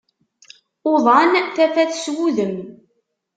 Uḍan tafat s wudem.